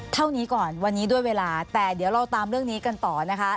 เท่านี้ก่อนวันนี้ด้วยเวลาแต่เดี๋ยวเราตามเรื่องนี้กันต่อนะคะ